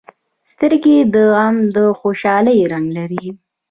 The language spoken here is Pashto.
سترګې د غم او خوشالۍ رنګ لري